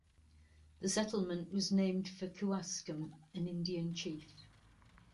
The settlement was named for Kewaskum, an Indian chief.